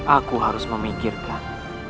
aku harus memikirkan